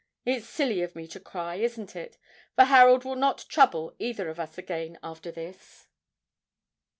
'It's silly of me to cry, isn't it? for Harold will not trouble either of us again after this.'